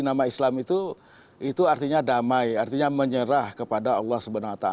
nama islam itu itu artinya damai artinya menyerah kepada allah swt